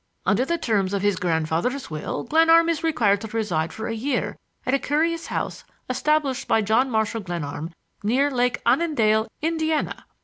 Under the terms of his grandfather's will, Glenarm is required to reside for a year at a curious house established by John Marshall Glenarm near Lake Annandale, Indiana.